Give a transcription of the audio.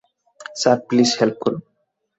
Sir, please help করুন।